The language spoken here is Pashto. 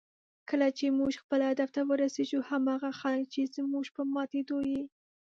کله چې موږ خپل هدف ته ورسېږو، هماغه خلک چې زموږ په ماتېدو یې